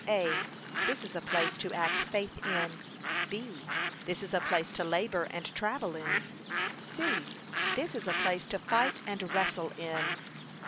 (a.) This is a place to act faith in. (b.) This is a place to labour and travel in. (c.) This is a place to fight and wrestle in.